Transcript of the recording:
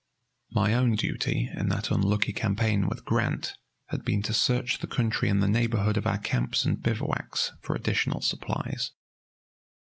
My own duty in that unlucky campaign with Grant had been to search the country in the neighborhood of our camps and bivouacs for additional supplies.